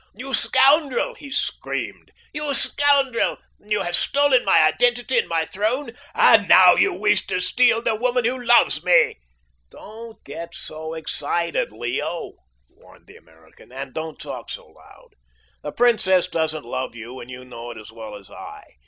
"You scoundrel!" he screamed. "You scoundrel! You have stolen my identity and my throne and now you wish to steal the woman who loves me." "Don't get excited, Leo," warned the American, "and don't talk so loud. The Princess doesn't love you, and you know it as well as I.